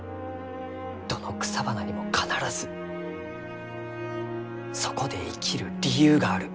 どの草花にも必ずそこで生きる理由がある。